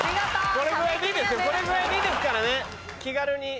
これぐらいでいいですからね。